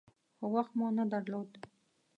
خو وخت مو نه درلود .